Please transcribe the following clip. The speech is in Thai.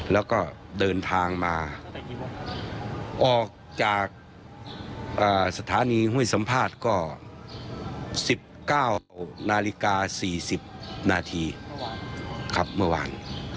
แล้วก็เดินทางมาออกจากสถานีห้วยสัมภาษณ์ก็๑๙นาฬิกา๔๐นาทีครับเมื่อวาน